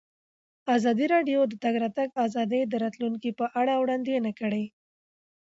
ازادي راډیو د د تګ راتګ ازادي د راتلونکې په اړه وړاندوینې کړې.